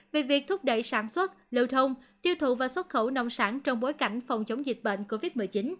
về việc thúc đẩy sản xuất lưu thông tiêu thụ và xuất khẩu nông sản trong bối cảnh phòng chống dịch bệnh covid một mươi chín